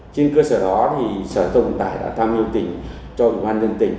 trên cơ sở đó thì sở thông vận tải đã tham hiệu tỉnh cho ủng hoàn dân tỉnh